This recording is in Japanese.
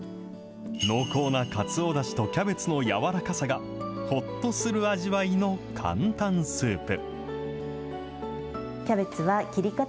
濃厚なかつおだしとキャベツの柔らかさが、ほっとする味わいの簡単スープ。